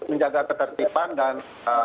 menjaga ketertiban dan